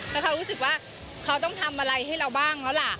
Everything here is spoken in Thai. แล้วเขารู้สึกว่าเขาต้องทำอะไรให้เราบ้างแล้วล่ะ